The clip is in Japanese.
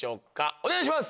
お願いします！